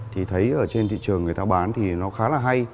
thì thấy ở trên thị trường người ta bán thì nó khá là hay